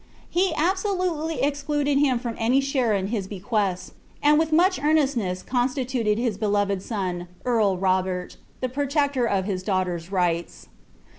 He absolutely ex uded liim from any share in his bequests, and with much earnestness instituted his beloved son, earl Robert, the protector of his daughter's Shts.